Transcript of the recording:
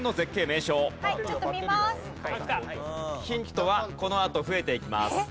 ヒントはこのあと増えていきます。